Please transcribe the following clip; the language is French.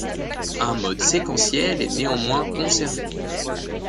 Un mode séquentiel est néanmoins conservé.